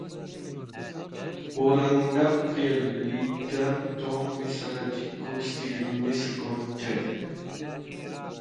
ⵓⵔ ⵏⵏ ⴰⴽⴽⵯ ⵢⴰⴷⵍⵍⵉ ⵉⵜⴰⵎ ⵜⵓⵎ ⵉⵙ ⵔⴰⴷ ⵉⴽⴽⵓⵙ ⵜⵉⴳⵎⵎⵉ ⵙⴳ ⵓⵏⵜⵜⴰⵢ.